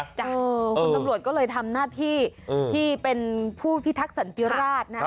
คุณตำรวจก็เลยทำหน้าที่ที่เป็นผู้พิทักษันติราชนะ